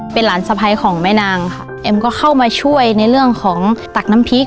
เป็นหลานสะพ้ายของแม่นางค่ะเอ็มก็เข้ามาช่วยในเรื่องของตักน้ำพริก